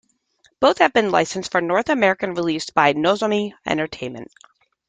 Both have been licensed for North American release by Nozomi Entertainment.